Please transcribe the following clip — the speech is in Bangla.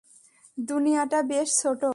দুনিয়াটা বেশ ছোট।